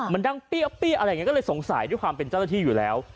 มันดั้งเปี้ยอะไรอย่างนี้ก็เลยสงสัยด้วยความเป็นเจ้าหน้าที่อยู่แล้ว